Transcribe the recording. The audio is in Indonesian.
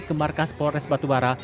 ke markas polres batubara